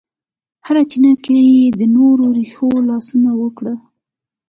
هره چینه کې یې د نور رېښو لاسونه وکړه